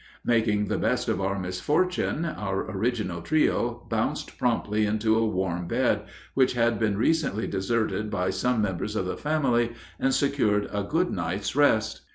Making the best of our misfortune, our original trio bounced promptly into a warm bed, which had been recently deserted by some members of the family, and secured a good night's rest.